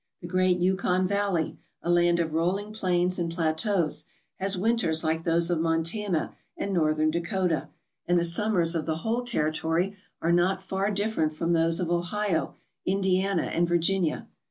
The great Yukon Valley, a land of rolling plains and plateaus, has winters like those of Montana and northern Dakota, and the summers of the whole territory are not far different from those of Ohio, Indiana, and Virginia.